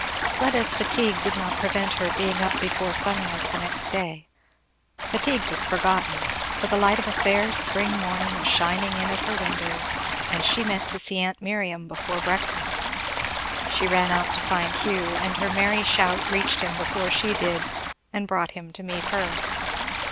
Fleda's fatigue did not prevent her being up before sunrise the next day. Fatigue was forgotten, for the light of a fair spring morning was shining in at her windows and she meant to see aunt Miriam before breakfast. She ran out to find Hugh, and her merry shout reached him before she did, and brought him to meet her.